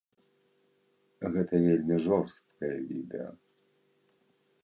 Гэта вельмі жорсткае відэа.